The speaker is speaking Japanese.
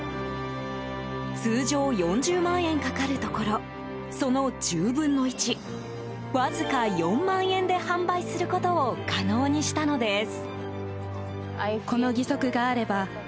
通常４０万円かかるところその１０分の１わずか４万円で販売することを可能にしたのです。